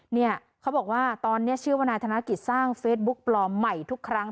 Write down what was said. เนี่ยเขาบอกว่าตอนนี้ชื่อว่านายธนกิจสร้างเฟซบุ๊กปลอมใหม่ทุกครั้ง